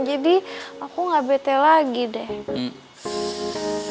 jadi aku ngga bete lagi deh